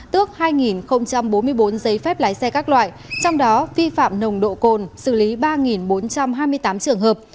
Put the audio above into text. tước hai bốn mươi bốn giấy phép lái xe các loại trong đó vi phạm nồng độ cồn xử lý ba bốn trăm hai mươi tám trường hợp